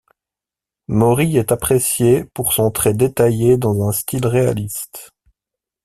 Mori est apprécié pour son trait détaillé dans un style réaliste.